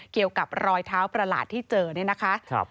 เกี่ยวกับรอยเท้าประหลาดที่เจอเนี่ยนะคะ